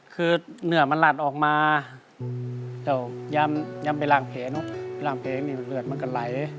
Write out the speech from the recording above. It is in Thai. คือเหนือมันหลัดออกมาย้ำไปล่างเพลย์เนอะไปล่างเพลย์เนี่ยมันเหลือดมันก็ไหล